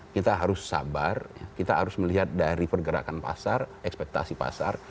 kita harus sabar kita harus melihat dari pergerakan pasar ekspektasi pasar